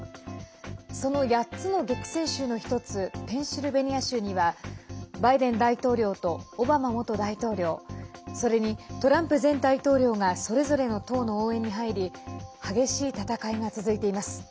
その８つの激戦州の１つペンシルベニア州にはバイデン大統領とオバマ元大統領それに、トランプ前大統領がそれぞれの党の応援に入り激しい戦いが続いています。